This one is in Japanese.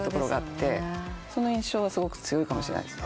その印象がすごく強いかもしれないですね。